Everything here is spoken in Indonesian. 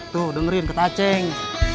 tuh dengerin ketacing